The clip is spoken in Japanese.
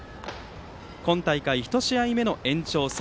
今大会１試合目の延長戦。